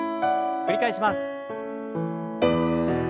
繰り返します。